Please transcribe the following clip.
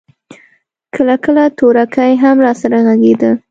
کله کله تورکى هم راسره ږغېده.